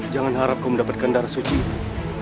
jangan harap kau mendapatkan darah suci itu